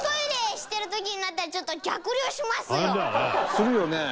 「するよね」